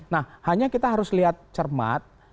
nah hanya kita harus lihat cermat